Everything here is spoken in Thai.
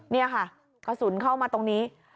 นี่ค่ะกระสุนเข้ามาตรงนี้